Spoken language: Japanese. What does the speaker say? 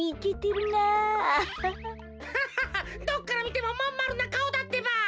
ぎゃははどっからみてもまんまるなかおだってば。